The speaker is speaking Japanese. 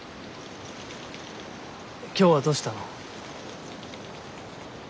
今日はどうしたの？